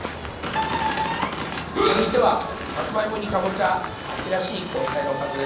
続いてはさつまいもにかぼちゃ秋らしい根菜のおかず。